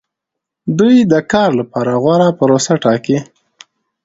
دوی د کار لپاره غوره پروسه ټاکي.